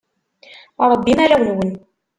Rebbim arraw-nwen.